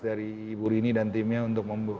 dari ibu rini dan timnya untuk